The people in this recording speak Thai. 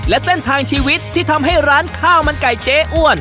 และเส้นทางชีวิตที่ทำให้ร้านข้าวมันไก่เจ๊อ้วน